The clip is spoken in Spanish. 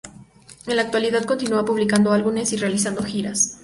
En la actualidad, continúa publicando álbumes y realizando giras.